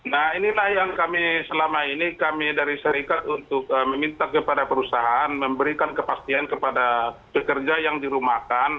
nah inilah yang kami selama ini kami dari serikat untuk meminta kepada perusahaan memberikan kepastian kepada pekerja yang dirumahkan